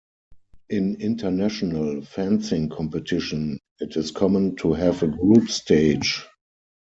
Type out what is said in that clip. In international fencing competitions, it is common to have a group stage.